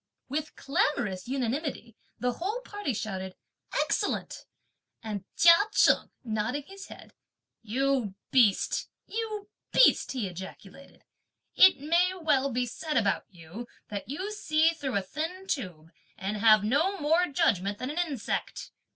With clamorous unanimity the whole party shouted: "Excellent:" and Chia Cheng nodding his head; "You beast, you beast!" he ejaculated, "it may well be said about you that you see through a thin tube and have no more judgment than an insect!